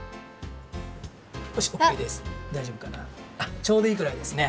ちょうどいいくらいですね。